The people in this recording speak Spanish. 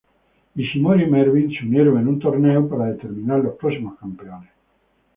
Ishimori y Marvin se unieron para un torneo para determinar los próximos campeones.